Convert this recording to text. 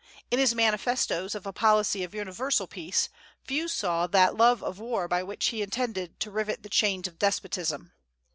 In his manifestoes of a policy of universal peace, few saw that love of war by which he intended to rivet the chains of despotism.